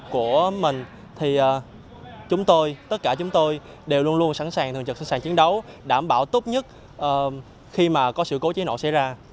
chúng tôi tất cả chúng tôi đều luôn luôn sẵn sàng thường trực sẵn sàng chiến đấu đảm bảo tốt nhất khi có sự cố chế nộ xảy ra